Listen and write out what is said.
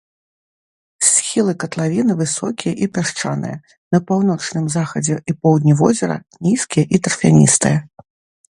Схілы катлавіны высокія і пясчаныя, на паўночным захадзе і поўдні возера нізкія і тарфяністыя.